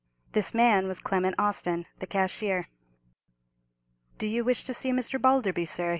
This man was Clement Austin, the cashier. "Do you wish to see Mr. Balderby, sir?"